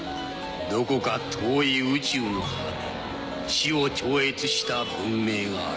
どこか遠い宇宙の果て死を超越した文明がある。